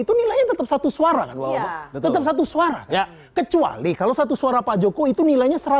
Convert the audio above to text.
itu nilainya tetap satu suara kan tetap satu suara ya kecuali kalau satu suara pak jokowi itu nilainya